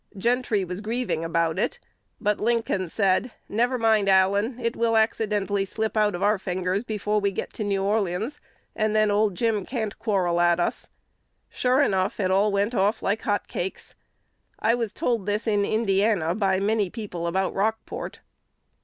Gentry was grieving about it; but Lincoln said, 'Never mind, Allen: it will accidentally slip out of our fingers before we get to New Orleans, and then old Jim can't quarrel at us.' Sure enough, it all went off like hot cakes. I was told this in Indiana by many people about Rockport."